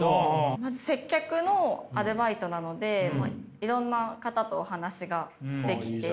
まず接客のアルバイトなのでいろんな方とお話ができて。